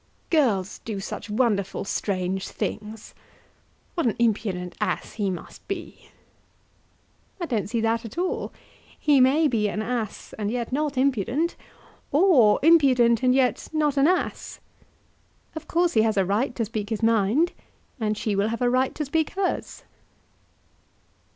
"Girls do such wonderful strange things. What an impudent ass he must be!" "I don't see that at all. He may be an ass and yet not impudent, or impudent and yet not an ass. Of course he has a right to speak his mind, and she will have a right to speak hers."